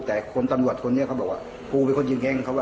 แต่ตำรวจเขาบอกว่ากูเป็นคนยืนแย้งเขาว่า